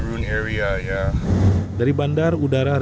dari bandar udara rembele kami langsung lari ke bandara rembele